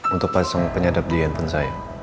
untuk pasang penyadap di handphone saya